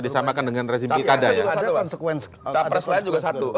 disamakan dengan resimil kada ya